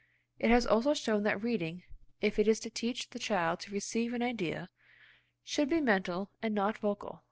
It has also shown that reading, if it is to teach the child to receive an idea, should be mental and not vocal.